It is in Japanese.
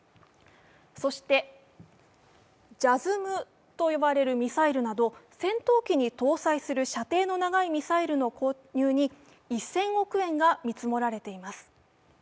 そしてＪＡＳＳＭと呼ばれるミサイルなど戦闘機に搭載する射程の長いミサイルの購入に１０００億円が見積もられています。